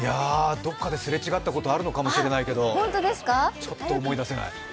どっかで擦れ違ったことあるかもしれないけどちょっと思い出せない。